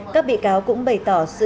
các bị cáo cũng bày tỏ sự ăn năn hối hợp